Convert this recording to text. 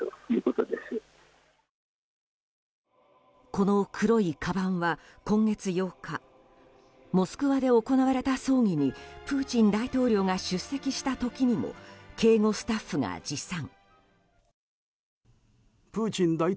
この黒いかばんは今月８日モスクワで行われた葬儀にプーチン大統領が出席した時にも警護スタッフが持参。